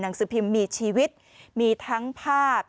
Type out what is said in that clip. สือพิมพ์มีชีวิตมีทั้งภาพ